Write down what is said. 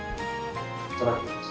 いただきます。